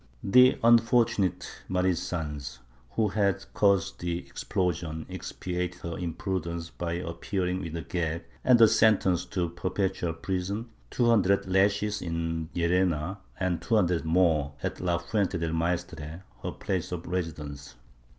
The unfortunate Mari Sanz, who had caused the explosion, expiated her imprudence by appearing with a gag and a sentence to perpetual prison, two hundred lashes in Llerena and two hundred more at la Fuente del Maestre, her place of residence.